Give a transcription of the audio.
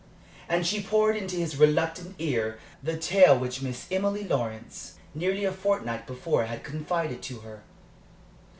And she poured into his reluctant ear the tale which Miss Emily Lawrence nearly a fortnight before had confided to her.